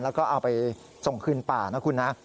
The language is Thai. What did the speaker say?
แล้วก็เอาไปส่งคืนป่านะคุณนะ